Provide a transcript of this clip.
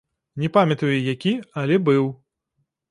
Не памятаю, які, але быў.